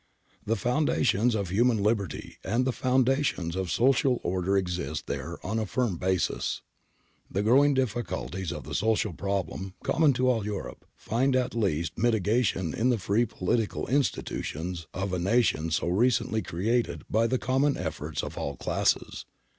The foundations of human liberty and the foundations of social order exist there on a firm basis. The growing difficulties of the social problem, common to all Europe, find at least mitigation in the free political institutions of a nation so recently created by the common efforts of all classes.